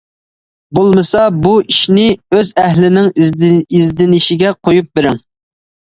بولمىسا، بۇ ئىشنى ئۆز ئەھلىنىڭ ئىزدىنىشىگە قويۇپ بېرىڭ!